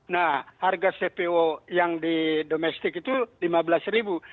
nah harga cpo yang di domestik itu lima belas ribu